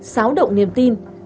xáo động niềm tin